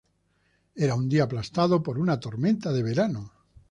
Era un día aplastado por una tormenta de verano.